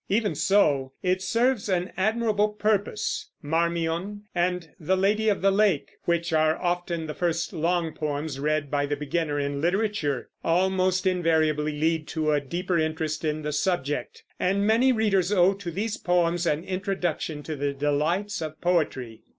Even so, it serves an admirable purpose. Marmion and The Lady of the Lake, which are often the first long poems read by the beginner in literature, almost invariably lead to a deeper interest in the subject; and many readers owe to these poems an introduction to the delights of poetry.